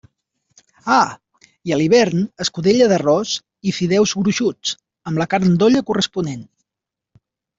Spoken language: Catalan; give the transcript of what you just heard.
Ah!, i a l'hivern escudella d'arròs i fideus gruixuts, amb la carn d'olla corresponent.